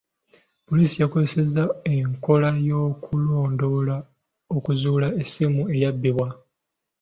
Poliisi yakozesa enkola y'okulondoola okuzuula essimu eyabbibwa.